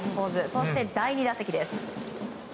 そして第２打席です。